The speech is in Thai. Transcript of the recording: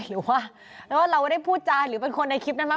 หรือว่าแล้วเราได้พูดจานหรือเป็นคนในคลิปนั้นมั้ย